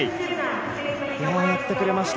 やってくれました。